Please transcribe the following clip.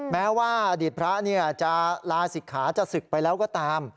แม้ว่าอดีตพระจะลาศิกขาจะศึกไปแล้วก็ตาม